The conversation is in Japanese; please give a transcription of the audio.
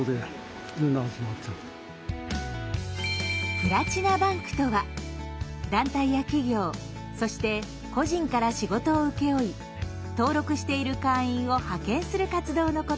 「プラチナバンク」とは団体や企業そして個人から仕事を請け負い登録している会員を派遣する活動のこと。